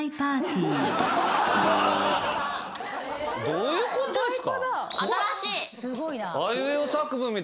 どういうことっすか？